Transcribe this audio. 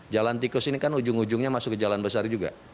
jalan tikus ini kan ujung ujungnya masuk ke jalan besar juga